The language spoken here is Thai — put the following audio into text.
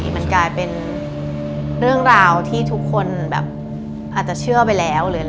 มันกลายเป็นเรื่องราวที่ทุกคนแบบอาจจะเชื่อไปแล้ว